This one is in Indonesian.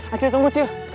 acil tunggu cil